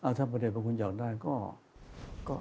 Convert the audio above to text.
อ่ะถ้าประเทศประคุณอยากได้ก็